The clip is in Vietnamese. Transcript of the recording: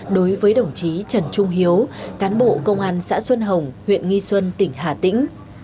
đối với đồng chí trần trung hiếu cán bộ công an xã xuân hồng huyện nghi xuân tỉnh hà tĩnh